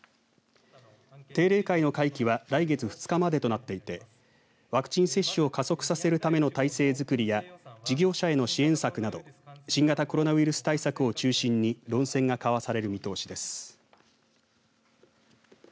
定例会の会期は来月２日までとなっていてワクチン接種を加速させるための態勢づくりや事業者への支援策など新型コロナウイルス対策を中心に論戦が交わされる見通しです。